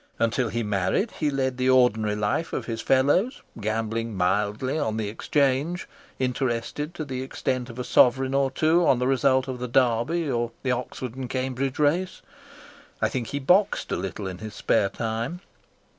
Until he married he led the ordinary life of his fellows, gambling mildly on the Exchange, interested to the extent of a sovereign or two on the result of the Derby or the Oxford and Cambridge Race. I think he boxed a little in his spare time.